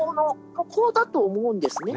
ここだと思うんですね。